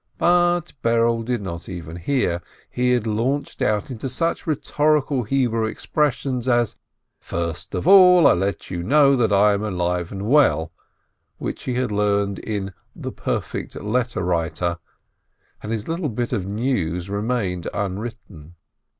But Berele did not even hear: he had launched out into such rhetorical Hebrew expressions as "First of all, I let you know that I am alive and well," which he had learnt in "The Perfect Letter Writer," and his little bits of news remained unwritten.